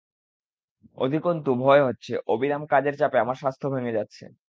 অধিকন্তু ভয় হচ্ছে, অবিরাম কাজের চাপে আমার স্বাস্থ্য ভেঙে যাচ্ছে।